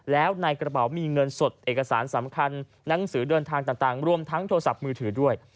แล้วในกระเป๋ามีเงินสดเอกสารสำคัญหนังสือเดินทางต่างรวมทั้งโทรศัพท์มือถือด้วย